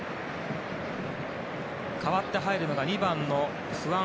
代わって入るのが２番のフアン